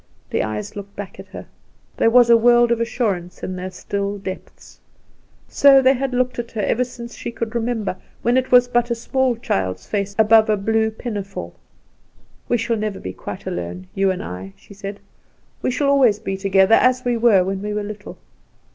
The eyes looked back at her. There was a world of assurance in their still depths. So they had looked at her ever since she could remember, when it was but a small child's face above a blue pinafore. "We shall never be quite alone, you and I," she said; "we shall always be together, as we were when we were little."